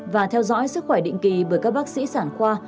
và theo dõi sức khỏe định kỳ bởi các bác sĩ sản khoa